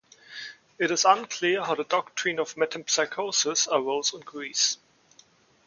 It is unclear how the doctrine of metempsychosis arose in Greece.